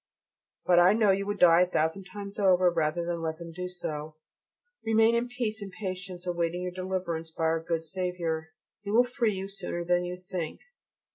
But I know you would die a thousand times over rather than let them do so. Remain then in peace and patience, awaiting your deliverance by our good Saviour, and He will free you sooner than you think.